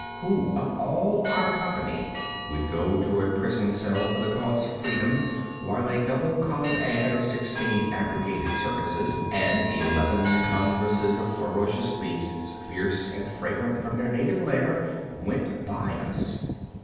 Who, of all our company, would go to a prison cell for the cause of freedom while a double column ad. of sixteen aggregated circuses, and eleven congresses of ferocious beasts, fierce and fragrant from their native lair, went by us?